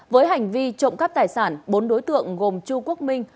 với hành vi trộm cắp tài sản bốn đối tượng gồm chu quốc minh